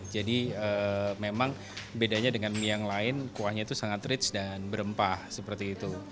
jadi memang bedanya dengan mie yang lain kuahnya itu sangat rich dan berempah seperti itu